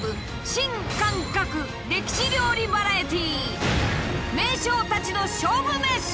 新感覚歴史料理バラエティ！